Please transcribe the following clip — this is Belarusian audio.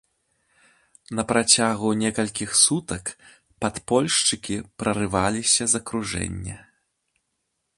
На працягу некалькіх сутак падпольшчыкі прарываліся з акружэння.